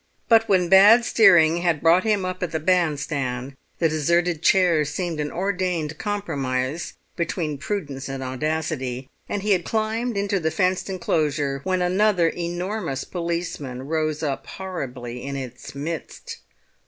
But when bad steering had brought him up at the bandstand, the deserted chairs seemed an ordained compromise between prudence and audacity, and he had climbed into the fenced enclosure when another enormous policeman rose up horribly in its midst.